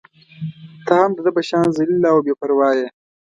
ته هم د ده په شان ذلیله او بې پرواه يې.